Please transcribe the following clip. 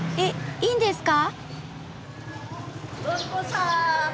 いいんですか？